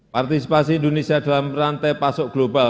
partisipasi indonesia dalam rantai pasok global